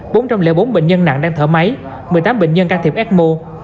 bốn trăm linh bốn bệnh nhân nặng đang thở máy một mươi tám bệnh nhân can thiệp ecmo